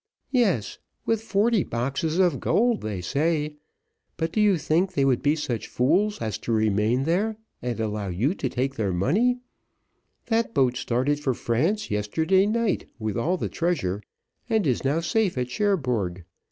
"Yes, with forty boxes of gold they say; but do you think they would be such fools as to remain there and allow you to take their money that boat started for France yesterday night with all the treasure, and are now safe at Cherbourg.